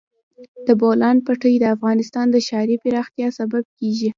د بولان پټي د افغانستان د ښاري پراختیا سبب کېږي.